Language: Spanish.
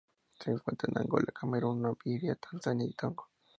Se encuentra en Angola, Camerún, Namibia, Tanzania, y Togo.